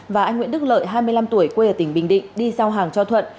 và anh nguyễn đức lợi hai mươi năm tuổi quê ở tỉnh bình định đi giao hàng cho thuận